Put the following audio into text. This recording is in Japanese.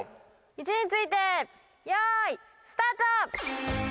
位置について用意スタート！